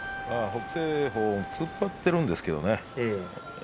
北青鵬、突っ張っているんですけどね。